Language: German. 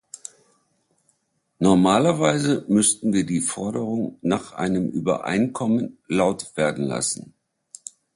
Normalerweise müssten wir die Forderung nach einem Übereinkommen laut werden lassen.